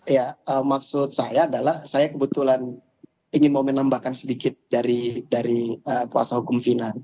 ya maksud saya adalah saya kebetulan ingin mau menambahkan sedikit dari kuasa hukum fina